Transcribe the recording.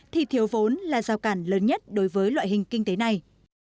thì thiếu vốn là giao cản lớn nhất đối với loại hình kinh tế này